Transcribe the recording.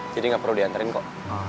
jadi gak perlu diantarin kok